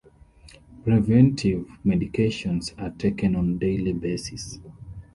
Preventive medications are taken on a daily basis.